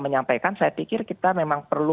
menyampaikan saya pikir kita memang perlu